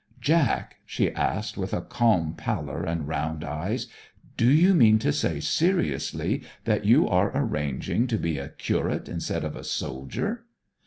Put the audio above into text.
'Jack,' she asked, with calm pallor and round eyes; 'do you mean to say seriously that you are arranging to be a curate instead of a soldier?'